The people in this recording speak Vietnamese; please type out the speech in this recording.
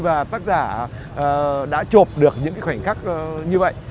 và tác giả đã chộp được những khoảnh khắc như vậy